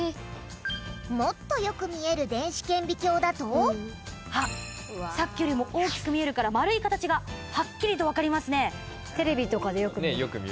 もっとよく見えるさっきよりも大きく見えるから丸い形がはっきりと分かりますね。